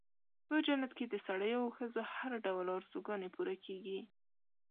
په جنت کې د سړیو او ښځو هر ډول آرزوګانې پوره کېږي.